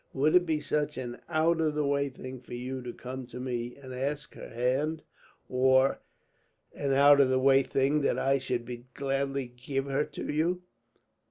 Would it be such an out of the way thing for you to come to me, and ask her hand? Or an out of the way thing that I should gladly give her to you?"